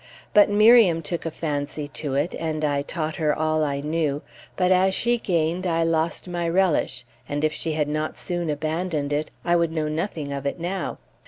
But Miriam took a fancy to it, and I taught her all I knew; but as she gained, I lost my relish, and if she had not soon abandoned it, I would know nothing of it now.